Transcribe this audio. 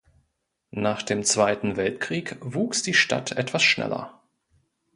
Nach dem Zweiten Weltkrieg wuchs die Stadt etwas schneller.